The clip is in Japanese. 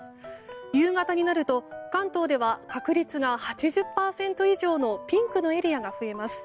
夕方になると関東では確率が８０％以上のピンクのエリアが増えます。